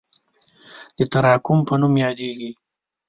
د تراکم په نوم یادیږي.